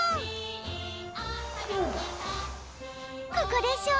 ここでしょ